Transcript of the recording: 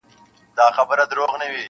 یا درویش سي یا سایل سي یاکاروان سي,